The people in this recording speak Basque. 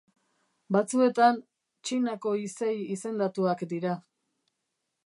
Batzuetan Txinako izei izendatuak dira.